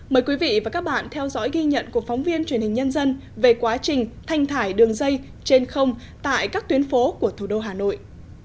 mời quý vị và các bạn theo dõi ghi nhận của phóng viên truyền hình nhân dân về quá trình thanh thải đường dây trên không tại các tuyến phố của thủ đô hà nội